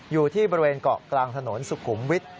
อยู่ที่บริเวณเกาะกลางถนนสุขุมวิทย์